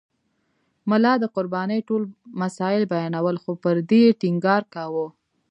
ملا د قربانۍ ټول مسایل بیانول خو پر دې یې ټینګار کاوه.